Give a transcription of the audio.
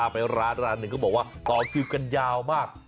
ไปร้านร้านหนึ่งเขาบอกว่าต่อคิวกันยาวมาก